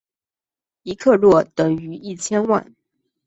一克若等于一千万。